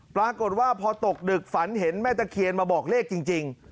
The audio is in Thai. ปรากฏว่าพอตกดึกฝันเห็นแม่ตะเคียนมาบอกเลขจริง